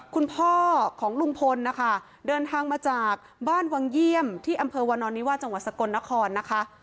คุณพ่อของลุงพลนะคะเดินทางมาจากบ้านวังเยี่ยมที่อำเภอวานอนนิวาจังหวัดสกลนครนะคะ